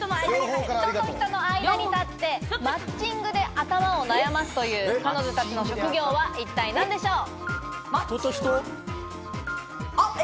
人と人の間に立って、マッチングで頭を悩ますという彼女たちの職業とは一体何でしょう。